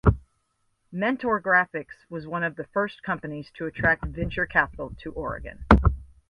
Mentor Graphics was one of the first companies to attract venture capital to Oregon.